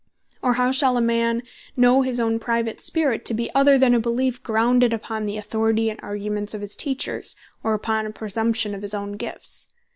Or how shall a man know his own Private spirit to be other than a beleef, grounded upon the Authority, and Arguments of his Teachers; or upon a Presumption of his own Gifts?